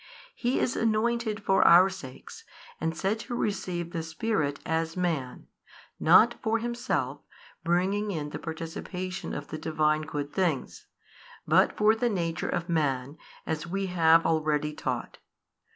He is anointed for our sakes and said to receive the Spirit as Man, not for Himself bringing in the participation of the Divine good things, but for the nature of man as we have already taught.